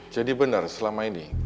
jadi benar selama ini